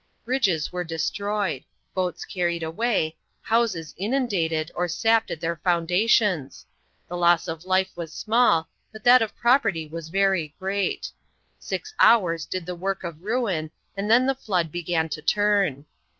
Bridges were destroyed boats carried away houses inundated, or sapped at their foundations. The loss of life was small, but that of property was very great. Six hours did the work of ruin, and then the flood began to turn.